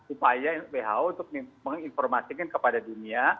upaya who untuk menginformasikan kepada dunia